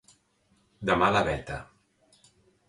De mala veta.